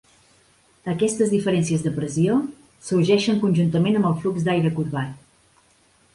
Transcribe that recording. Aquestes diferències de pressió sorgeixen conjuntament amb el flux d'aire corbat.